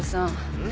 うん？